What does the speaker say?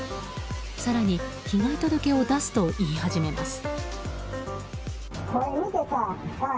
更に被害届を出すと言い始めます。